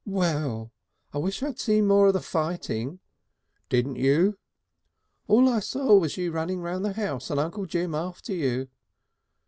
"Well!" "I wish I'd seen more of the fighting." "Didn't you?" "All I saw was you running round the house and Uncle Jim after you."